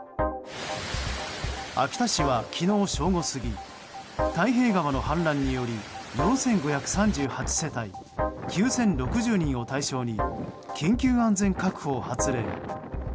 秋田市は昨日正午過ぎ太平川の氾濫により４５３８世帯９０６０人を対象に緊急安全確保を発令。